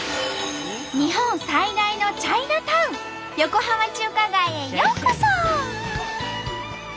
日本最大のチャイナタウン横浜中華街へようこそ！